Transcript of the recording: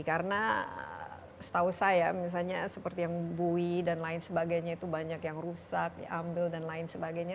karena setau saya misalnya seperti yang bui dan lain sebagainya itu banyak yang rusak diambil dan lain sebagainya